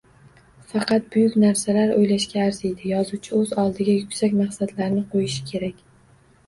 Faqat buyuk narsalar oʻylashga arziydi, yozuvchi oʻz oldiga yuksak maqsadlarni qoʻyishi kerak